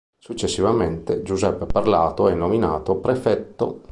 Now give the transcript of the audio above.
Successivamente Giuseppe Parlato è nominato prefetto.